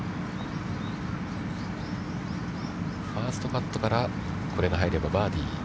ファーストパットからこれが入ればバーディー。